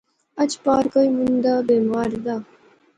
اج پار کوئی مندا بیمار دا